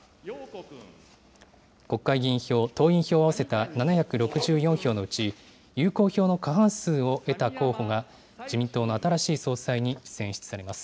国会議員票、党員票を合わせた７６４票のうち、有効票の過半数を得た候補が、自民党の新しい総裁に選出されます。